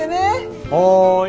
はい。